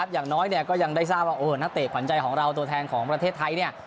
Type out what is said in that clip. อย่างน้อยก็ยังได้ทราบว่านักเตะขวัญใจของเราตัวแทนของประเทศไทยเนี่ย